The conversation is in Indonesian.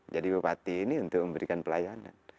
jadi bupati ini untuk memberikan pelayanan